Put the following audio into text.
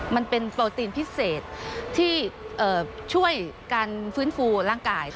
มันเป็นโปรตีนพิเศษที่ช่วยการฟื้นฟูร่างกาย